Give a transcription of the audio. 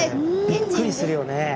びっくりするよね。